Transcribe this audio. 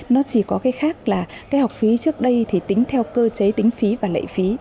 nó chỉ có cái khác là cái học phí trước đây thì tính theo cơ chế tính phí và lệ phí